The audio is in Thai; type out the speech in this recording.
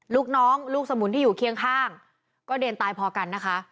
ลูกน้องลูกสมุนที่อยู่เคียงข้างก็เรียนตายพอกันนะคะ